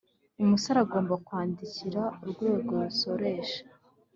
umusore agomba kwandikira urwego rusoresha